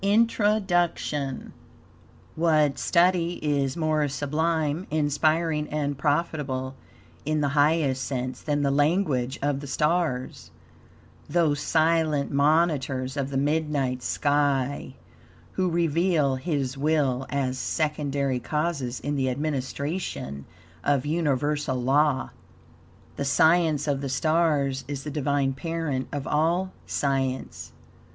INTRODUCTION TO VOL. II What study is more sublime, inspiring and profitable, in the highest sense, than the "language of the stars" those silent monitors of the midnight sky, who reveal HIS WILL as secondary causes in the administration of universal law? The science of the stars is the Divine parent of all science.